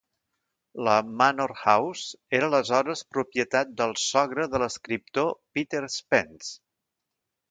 La Manor House era aleshores propietat del sogre de l'escriptor Peter Spence.